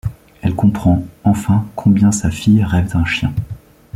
Elle comprend enfin combien sa fille rêve d'un chien.